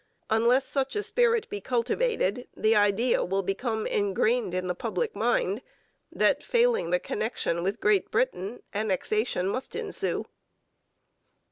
Unless such a spirit be cultivated, the idea will become engrained in the public mind, that failing the connection with Great Britain annexation must ensue.